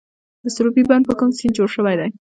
د سروبي بند په کوم سیند جوړ شوی دی؟